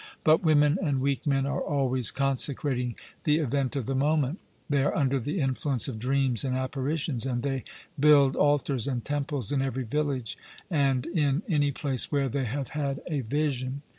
But women and weak men are always consecrating the event of the moment; they are under the influence of dreams and apparitions, and they build altars and temples in every village and in any place where they have had a vision.